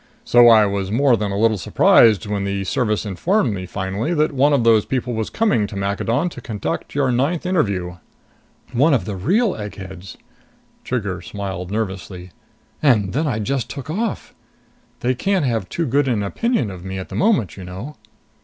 So I was more than a little surprised when the Service informed me finally one of those people was coming to Maccadon to conduct your ninth interview." "One of the real eggheads!" Trigger smiled nervously. "And then I just took off! They can't have too good an opinion of me at the moment, you know."